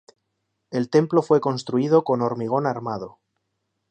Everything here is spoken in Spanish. El templo fue construido con hormigón armado.